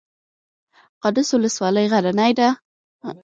قادس ولسوالۍ غرنۍ ده؟